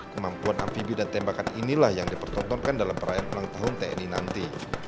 kemampuan amfibi dan tembakan inilah yang dipertontonkan dalam perayaan ulang tahun tni nanti